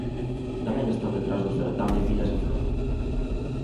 Tamén están detrás do certame Vilas en flor.